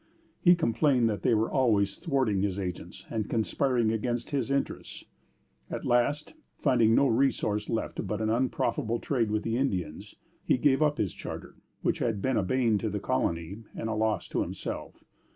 He complained that they were always thwarting his agents and conspiring against his interests. At last, finding no resource left but an unprofitable trade with the Indians, he gave up his charter, which had been a bane to the colony and a loss to himself.